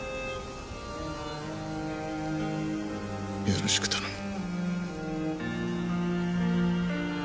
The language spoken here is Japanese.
よろしく頼む。